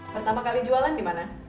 pertama kali jualan di mana